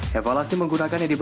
hefa lasti menggunakan edible spices